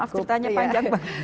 mohon maaf ceritanya panjang